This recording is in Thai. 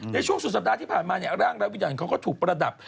ในช่วงสุดสัปดาห์ที่ผ่านมาเนี่ยร่างรายวิจัยเขาก็ถูกประดับ